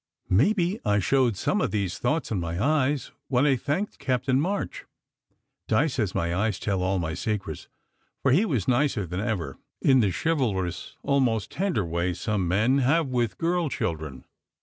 Maybe I showed some of these thoughts in my eyes when I thanked Captain March (Di says my eyes tell all my secrets), for he was nicer than ever, in the chivalrous, almost tender way some men have with girl children.